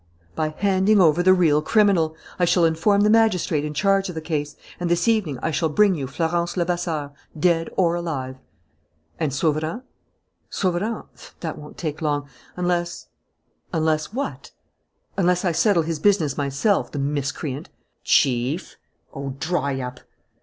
"By handing over the real criminal. I shall inform the magistrate in charge of the case; and this evening I shall bring you Florence Levasseur dead or alive." "And Sauverand?" "Sauverand? That won't take long. Unless " "Unless what?" "Unless I settle his business myself, the miscreant!" "Chief!" "Oh, dry up!"